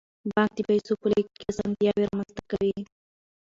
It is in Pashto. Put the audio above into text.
بانک د پیسو په لیږد کې اسانتیاوې رامنځته کوي.